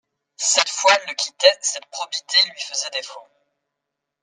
Cette foi le quittait, cette probité lui faisait défaut.